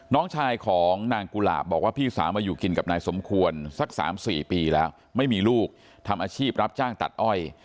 น้องชายของนางกุหลาบบอกว่าพี่สาวมาอยู่กินกับนายสมควรสัก๓๔ปีแล้วไม่มีลูกทำอาชีพรับจ้างตัดอ้อย